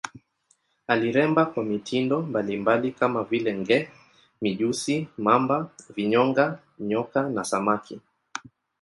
Aliremba kwa mitindo mbalimbali kama vile nge, mijusi, mamba, vinyonga, nyoka na samaki.